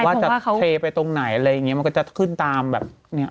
ว่าจะเทไปตรงไหนอะไรอย่างเงี้มันก็จะขึ้นตามแบบเนี้ย